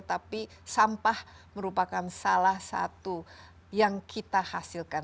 tapi sampah merupakan salah satu yang kita hasilkan